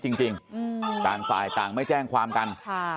จริงต่างฝ่ายต่างไม่แจ้งความกันค่ะ